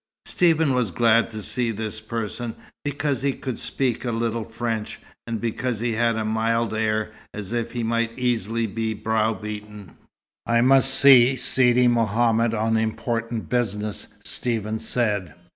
Stephen was glad to see this person, because he could speak a little French, and because he had a mild air, as if he might easily be browbeaten. "I must see Sidi Mohammed on important business," Stephen said.